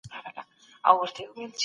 د لويي جرګې امنیت څوک ساتي؟